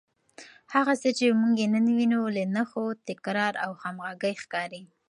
هغه څه چې موږ یې نن وینو، له نښو، تکرار او همغږۍ ښکاري